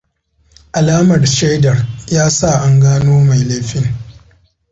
Alamar shaidar ya sa an gano mai laifin.